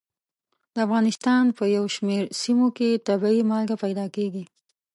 د افغانستان په یو شمېر سیمو کې طبیعي مالګه پیدا کېږي.